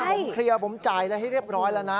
ผมเคลียร์ผมจ่ายอะไรให้เรียบร้อยแล้วนะ